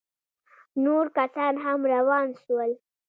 نور کسان هم روان سول.